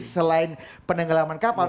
selain pendengelaman kapal